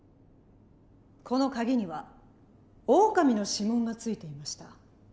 このカギにはオオカミの指紋がついていました。